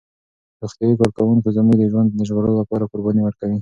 روغتیايي کارکوونکي زموږ د ژوند د ژغورلو لپاره قرباني ورکوي.